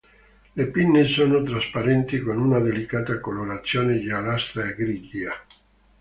Le pinne sono trasparenti, con una delicata colorazione giallastra e grigia.